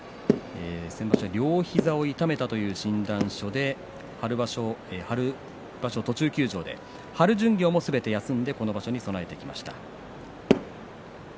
先場所、両膝を痛めたという診断書で、春場所を途中休場で春巡業もすべて休んでこの場所に備えてきました。